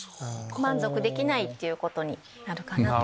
満足できないっていうことになる。